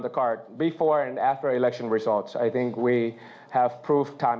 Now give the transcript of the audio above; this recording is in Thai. และของเราก็ยังไม่ถูกปรับทะแน่ที่เราต้องคิด